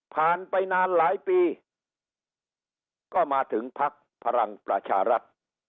ผ่านไปนานหลายปีก็มาถึงพักพลังประชารัฐ